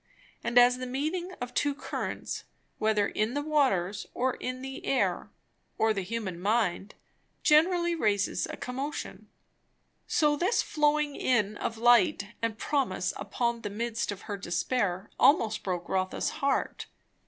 And as the meeting of two currents, whether in the waters or in the air or the human mind, generally raises a commotion, so this flowing in of light and promise upon the midst of her despair almost broke Rotha's heart.